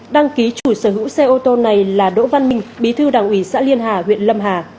đăng ký chủ sở hữu xe ô tô này là đỗ văn minh bí thư đảng ủy xã liên hà huyện lâm hà